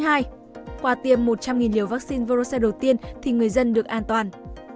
khoa tiêm một trăm linh liều vaccine verocell đầu tiên thì người dân được an toàn